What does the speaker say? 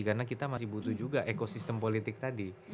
karena kita masih butuh juga ekosistem politik tadi